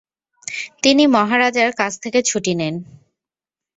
তিনি মহারাজার কাজ থেকে ছুটি নেন।